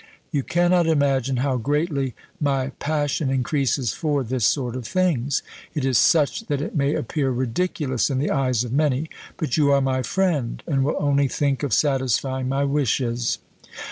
You cannot imagine how greatly my passion increases for this sort of things; it is such that it may appear ridiculous in the eyes of many; but you are my friend, and will only think of satisfying my wishes."